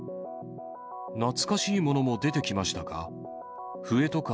懐かしいものも出てきましたか。